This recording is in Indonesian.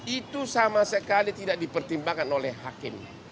itu sama sekali tidak dipertimbangkan oleh hakim